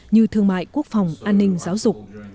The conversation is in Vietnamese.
như thương mại quốc phòng an ninh giáo dục